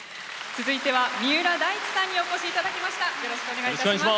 続いては三浦大知さんにお越しいただきました。